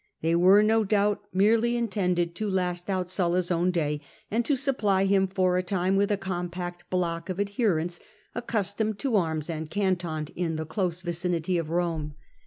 They were, no doubt, merely intended to last out Sulla's own day, and to supply him for a time with compact blocks of adherents, accustomed to arms and cantoned in the close vicinity of Eome.